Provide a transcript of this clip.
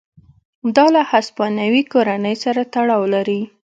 دا له هسپانوي کورنۍ سره تړاو لري.